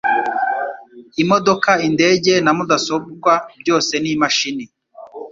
Imodoka, indege, na mudasobwa byose ni imashini.